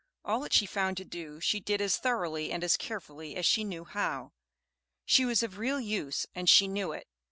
All that she found to do she did as thoroughly and as carefully as she knew how. She was of real use, and she knew it.